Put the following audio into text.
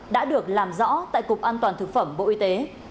đã được làm rõ tại cục an toàn thực phẩm bộ y tế